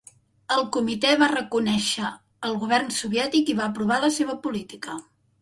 El comitè va reconèixer el govern soviètic i va aprovar la seva política.